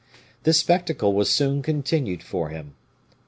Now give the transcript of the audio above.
This spectacle was soon continued for him.